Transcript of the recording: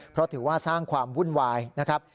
เพราะถือว่าสร้างความวุ่นวายนะครับ